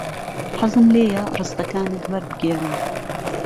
حەزم لێیە ڕستەکانت وەربگێڕم.